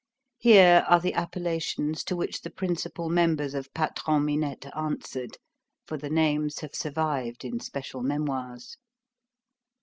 Here are the appellations to which the principal members of Patron Minette answered,—for the names have survived in special memoirs.